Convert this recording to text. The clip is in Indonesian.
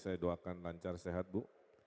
saya doakan lancar sehat bu